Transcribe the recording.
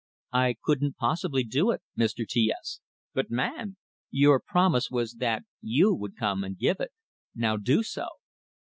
"I couldn't possibly do it, Mr. T S." "But, man " "Your promise was that you would come and give it. Now do so."